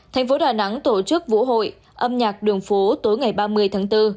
tp đà nẵng tổ chức vũ hội âm nhạc đường phố tối ngày ba mươi tháng bốn